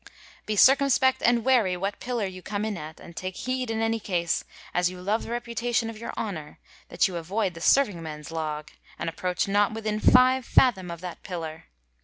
• Be circumspect and wary what pillar you come in at ; and take heed in any case, as you love the reputation of your honour, that you avoid the serving men's log, and approach not within five fathom of that pillar.